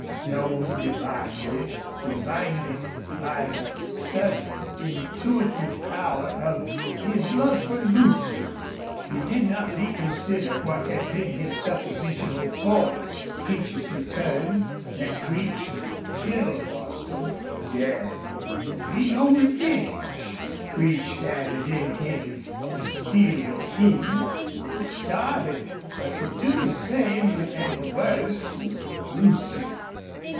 Slone divined it divined it by the subtle, intuitive power of his love for Lucy. He did not reconsider what had been his supposition before Creech's return that Creech would kill Bostil. Death would be no revenge. Creech had it in him to steal the King and starve him or to do the same and worse with Lucy.